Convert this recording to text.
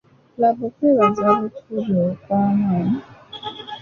Laba okwebaza bwe kuli okw'amaanyi.